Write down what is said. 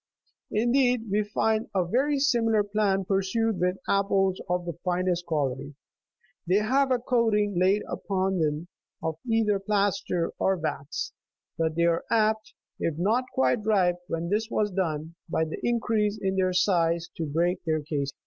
Indeed, we find a very similar plan pursued with apples of the finest quality ; they have a coating laid upon them of either plaster or wax ; but they are apt, if not quite ripe when this was done, by the increase in their size to break their casing."